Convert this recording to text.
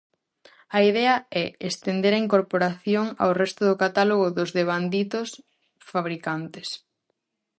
A idea é estender a incorporación ao resto do catálogo dos devanditos fabricantes.